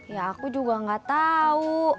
ya aku juga gak tahu